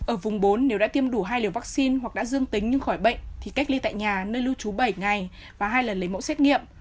ở vùng bốn nếu đã tiêm đủ hai liều vaccine hoặc đã dương tính nhưng khỏi bệnh thì cách ly tại nhà nơi lưu trú bảy ngày và hai lần lấy mẫu xét nghiệm